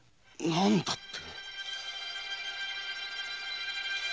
何だって！？